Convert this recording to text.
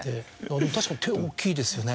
確かに手大きいですよね。